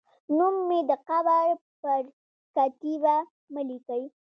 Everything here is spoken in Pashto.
نوم مې د قبر پر کتیبه مه لیکئ